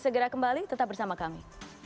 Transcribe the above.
segera kembali tetap bersama kami